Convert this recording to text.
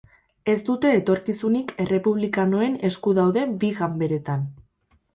Ez dute etorkizunik errepublikanoen esku dauden bi ganberetan.